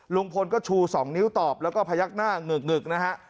ลุงพลก็ชู่สองนิ้วตอบแล้วก็พยักหน้าเหงือกเหงื่อกนะฮะ